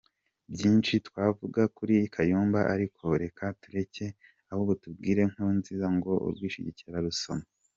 Nibyinshi twavuga kuri Kayumba ariko reka turekere aho tubwire Nkurunziza ngo urwishigishiye ararusoma.